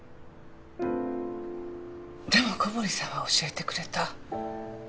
でも小堀さんは教えてくれた。